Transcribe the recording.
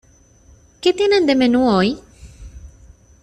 ¿Qué tienen de menú hoy?